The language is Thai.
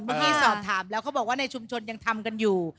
เมื่อกี้สอบถามแล้วเขาบอกว่าในชุมชนยังทำกันอยู่